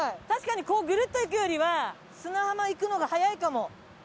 確かにこうグルッと行くよりは砂浜行くのが早いかも。